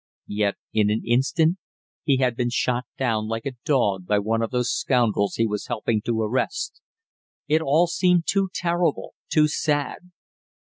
Yet in an instant he had been shot down like a dog by one of those scoundrels he was helping to arrest. It all seemed too terrible, too sad.